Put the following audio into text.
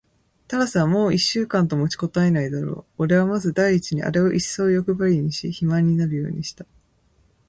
タラスはもう一週間と持ちこたえないだろう。おれはまず第一にあれをいっそうよくばりにし、肥満になるようにした。